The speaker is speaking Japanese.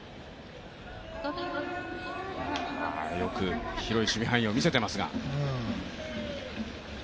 よく広い守備範囲を見せていますが。